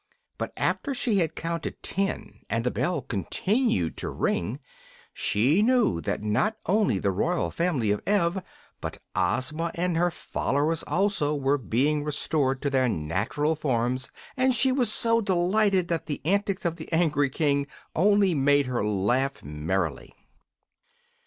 But after she had counted ten, and the bell continued to ring, she knew that not only the royal family of Ev, but Ozma and her followers also, were being restored to their natural forms, and she was so delighted that the antics of the angry King only made her laugh merrily.